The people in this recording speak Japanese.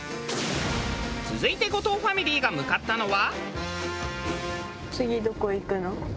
続いて後藤ファミリーが向かったのは。